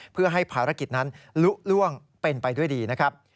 เพื่อให้ภารกิจนั้นลุล่วงเป็นไปด้วยดีนะครับ